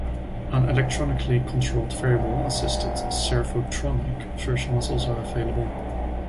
An electronically controlled variable assisted 'servotronic' version was also available.